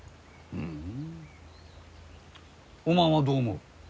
ふんおまんはどう思う？